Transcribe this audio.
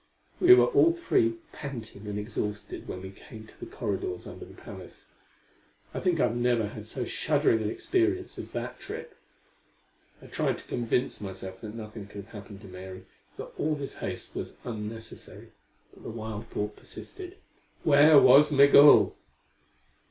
We were all three panting and exhausted when we came to the corridors under the palace. I think I have never had so shuddering an experience as that trip. I tried to convince myself that nothing could have happened to Mary, that all this haste was unnecessary, but the wild thought persisted: Where was Migul?